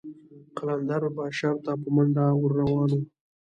قلندر به شر ته په منډه ور روان و.